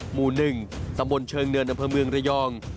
หมู่๑ตำบลเชิงเนินอำเภอเมืองระยอง